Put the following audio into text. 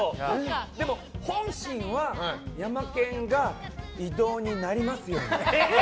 本心はヤマケンが異動になりますように。